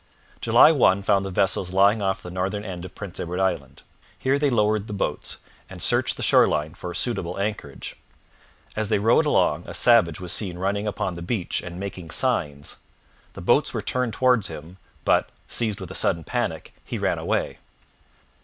July 1 found the vessels lying off the northern end of Prince Edward Island. Here they lowered the boats, and searched the shore line for a suitable anchorage. As they rowed along a savage was seen running upon the beach and making signs. The boats were turned towards him, but, seized with a sudden panic, he ran away.